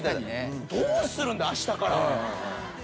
どうするんだあしたから。